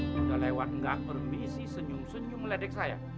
sudah lewat enggak berbisi senyum senyum ledek saya